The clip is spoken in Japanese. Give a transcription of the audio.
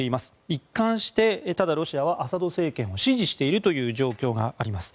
一貫して、ロシアはアサド政権を支持しているという状況があります。